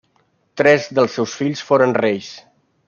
Tres dels seus fills foren reis.